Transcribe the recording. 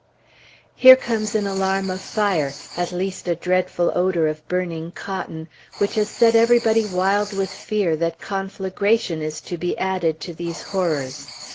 Here comes an alarm of fire at least a dreadful odor of burning cotton which has set everybody wild with fear that conflagration is to be added to these horrors.